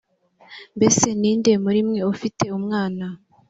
mbese ni nde muri mwe ufite umwana